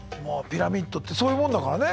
ピラミッドってそういうもんだからね。